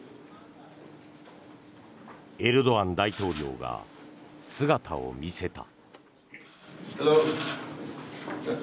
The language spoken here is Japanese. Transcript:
エルドアン大統領が姿を見せた。